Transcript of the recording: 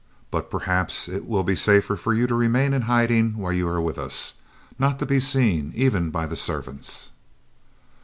But perhaps it will be safer for you to remain in hiding while you are with us, not to be seen even by the servants."